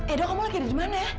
edo kamu lagi di mana